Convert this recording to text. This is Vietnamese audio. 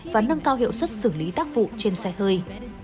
và nâng cao hiệu suất xử lý tác vụ trên xe hơi